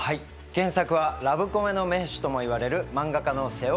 原作はラブコメの名手ともいわれる漫画家の瀬尾公治さん。